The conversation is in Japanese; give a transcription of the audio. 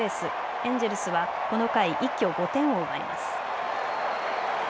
エンジェルスはこの回一挙５点を奪います。